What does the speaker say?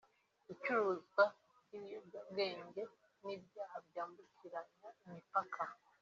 icuruzwa ry’ibiyobyabwenge n’ibyaha byambukiranya imipaka’